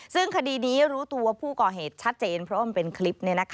ซึ่งคดีนี้รู้ตัวผู้ก่อเหตุชัดเจนเพราะว่ามันเป็นคลิป